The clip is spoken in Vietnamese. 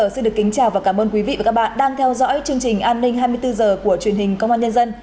xin được kính chào và cảm ơn quý vị và các bạn đang theo dõi chương trình an ninh hai mươi bốn h của truyền hình công an nhân dân